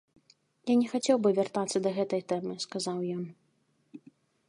Я не хацеў бы вяртацца да гэтай тэмы, сказаў ён.